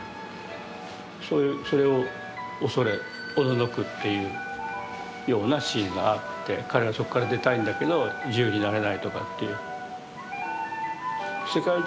それを恐れおののくっていうようなシーンがあって彼はそこから出たいんだけど自由になれないとかという。